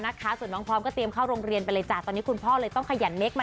หนุ่มสาวคนเล็ก